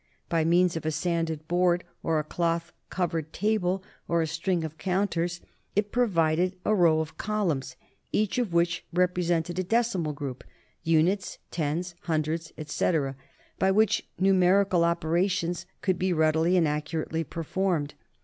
By means of a sanded board or a cloth covered table or a string of counters it pro vided a row of columns each of which represented a decimal group units, tens, hundreds, etc. by which numerical operations could be rapidly and accurately performed.